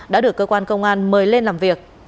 đã được cơ quan công an mời lên làm việc